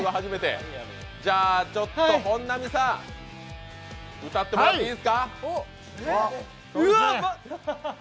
じゃ、本並さん、歌ってもらっていいですか。